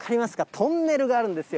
トンネルがあるんですよ。